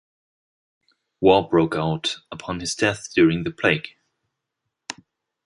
War broke out upon his death during the Plague.